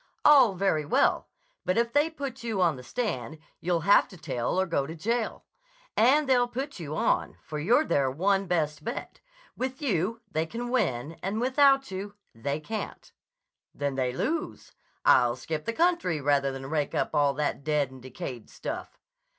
"All very well. But if they put you on the stand, you'll have to tell or go to jail. And they'll put you on, for you're their one best bet. With you they can win and without you they can't." "Then they lose. I'll skip the country rather than rake up all that dead and decayed stuff."